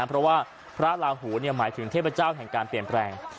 พระราหูหมายถึงเทพเจ้าแห่งการเปรียบแรง